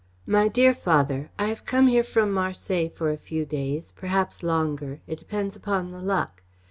MY DEAR FATHER, I have come here from Marseilles for a few days, perhaps longer it depends upon the luck.